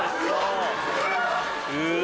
うわ！